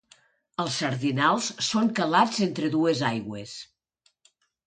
Els sardinals són calats entre dues aigües.